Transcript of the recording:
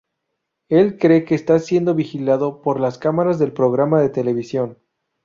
Él cree que está siendo vigilado por las cámaras del programa de televisión.